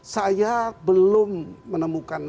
saya belum menemukan